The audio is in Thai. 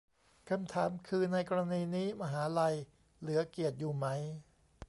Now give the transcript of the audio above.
คำถามคือ ในกรณีนี้มหาลัยเหลือเกียรติอยู่ไหม ?